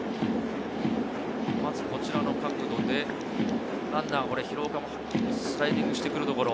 まずこちらの角度でランナー・廣岡もスライディングしてくるところ。